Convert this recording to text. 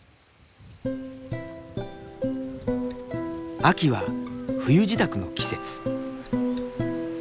秋は冬支度の季節。